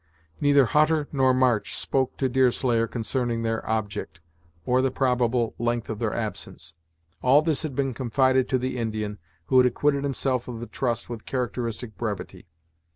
Neither Hutter nor March spoke to Deerslayer concerning their object, or the probable length of their absence. All this had been confided to the Indian, who had acquitted himself of the trust with characteristic brevity.